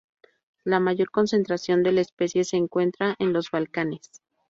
La mayor concentración de la especie se encuentra en los Balcanes.